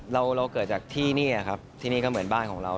เราเกิดจากที่นี่ครับที่นี่ก็เหมือนบ้านของเรา